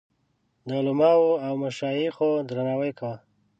د علماوو او مشایخو درناوی کاوه.